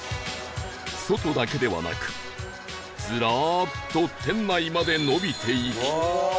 外だけではなくずらーっと店内まで延びていき